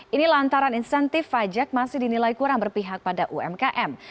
ini lantaran insentif pajak masih dinilai kurang berpihak pada umkm